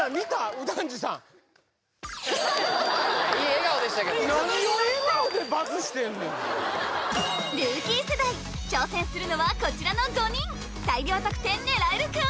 右團次さんいい笑顔でしたけど何を笑顔でバツしてんねんなルーキー世代挑戦するのはこちらの５人大量得点狙えるか？